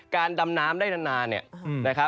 ดำน้ำได้นาน